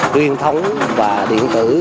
truyền thống và điện tử